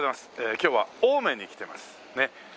今日は青梅に来てます。